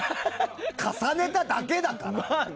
重ねただけだから。